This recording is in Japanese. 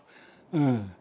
うん。